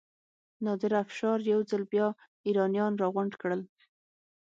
نادر افشار یو ځل بیا ایرانیان راغونډ کړل.